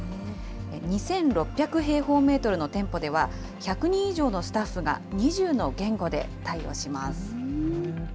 ２６００平方メートルの店舗では、１００人以上のスタッフが２０の言語で対応します。